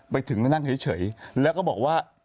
ไปถึงนั่งเฉยแล้วก็บอกว่า